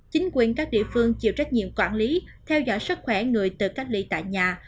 chính quyền các địa phương chịu trách nhiệm quản lý theo dõi sức khỏe người tự cách ly tại nhà